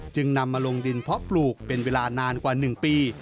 จึงนำมาลงดินเพาะปลูกเป็นเวลานานกว่า๑ปี